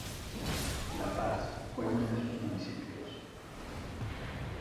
La Paz fue uno de sus municipios.